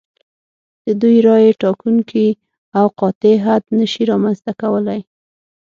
د دوی رایې ټاکونکی او قاطع حد نشي رامنځته کولای.